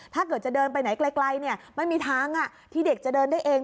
ถ้าเกิดจะเดินไปไหนไกลไม่มีทางที่เด็กจะเดินได้เอง